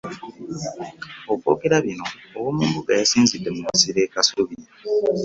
Okwogera bino owoomumbuga yasinzidde mu masiro e Kasubi.